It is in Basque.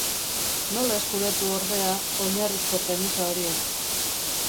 Nola eskuratu, ordea, oinarrizko premisa horiek?